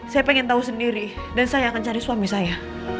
saya ingin tahu sendiri dan saya akan cari suami saya